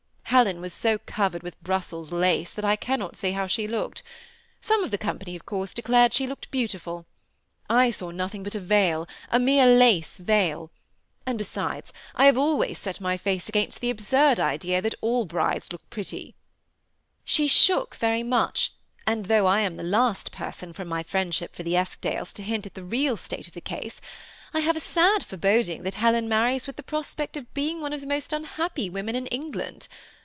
Helen was so covered with Brussels lace that I cannot say how she looked; some of the com pany, of course, declared she looked beautiful. I saw 8 50 THE SEMI ATTAGHED COUPLE. nothing but a veil — a mere laoe veil; and besides, I have always set my face against the absurd idek that all brides look pretty. She shook very much; and though I am the last person, from my friendship for the Eskdales, to hint at the real state of the case, I have a sad foreboding that Helen marries with the prospect of being one of the most unhappy women in England.